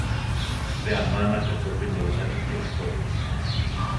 Pe amánaka chopí notzári echi ko ru.